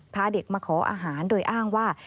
พาเด็กมาขออาหารโดยอ้างว่า